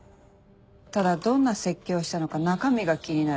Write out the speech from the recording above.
ただどんな説教したのか中身が気になる。